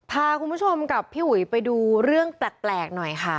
พาคุณผู้ชมกับพี่อุ๋ยไปดูเรื่องแปลกหน่อยค่ะ